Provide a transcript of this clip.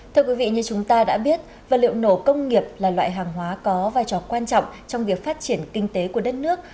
thưa quý vị như chúng ta đã biết vật liệu nổ công nghiệp là loại hàng hóa có vai trò quan trọng trong việc phát triển kinh tế của đất nước